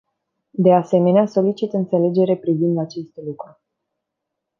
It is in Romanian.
De asemenea, solicit înțelegere privind acest lucru.